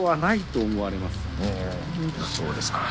そうですか。